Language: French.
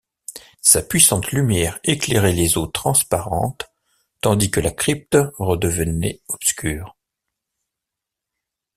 Sa puissante lumière éclairait les eaux transparentes, tandis que la crypte redevenait obscure.